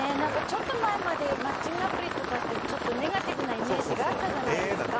ちょっと前までマッチングアプリネガティブなイメージがあったじゃないですか。